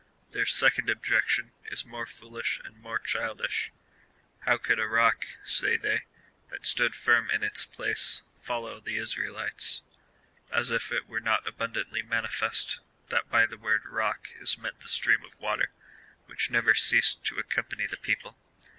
Their second objection is more fool ish and more childish —" How could a rock,'' say they, " that stood firm in its place, follow the Israelites ?"— as if it were not abundantly manifest, that by the word roch is meant the stream of water, which never ceased to accompany the CHAP. X. 4. FIRST EPISTLE TO THE COBINTHIANS. 319 people.